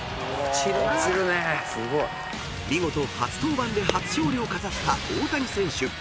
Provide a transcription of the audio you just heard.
［見事初登板で初勝利を飾った大谷選手］